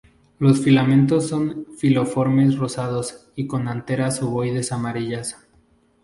Los filamentos son filiformes, rosados y con anteras ovoides amarillas.